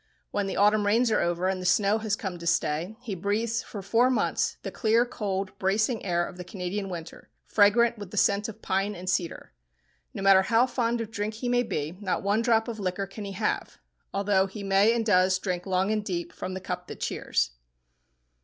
When the autumn rains are over, and the snow has come to stay, he breathes for four months the clear, cold, bracing air of the Canadian winter, fragrant with the scent of pine and cedar. No matter how fond of drink he may be, not one drop of liquor can he have, although he may and does drink long and deep from the "cup that cheers."